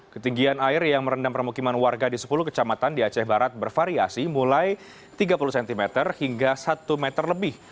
ketinggian air yang merendam permukiman warga di sepuluh kecamatan di aceh barat bervariasi mulai tiga puluh cm hingga satu meter lebih